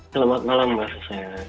selamat malam mbak susaya